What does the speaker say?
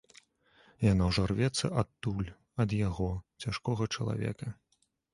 Яна ўжо рвецца адтуль, ад яго, цяжкога чалавека.